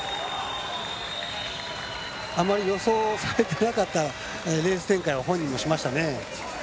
あまり予想されてなかったレース展開を本人もしました。